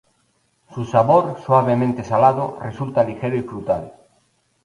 Su sabor, suavemente salado, resulta ligero y frutal.